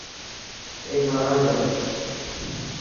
اي مهراج هي.